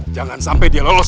jangan sampai dia lolos